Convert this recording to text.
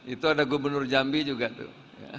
itu ada gubernur jambi juga tuh